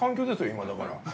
今だから。